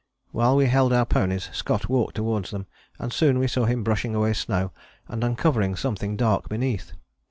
While we held our ponies Scott walked towards them, and soon we saw him brushing away snow and uncovering something dark beneath.